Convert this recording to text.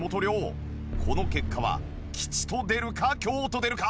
この結果は吉と出るか凶と出るか。